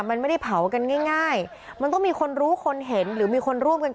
มันไม่ได้เผากันง่ายมันต้องมีคนรู้คนเห็นหรือมีคนร่วมกัน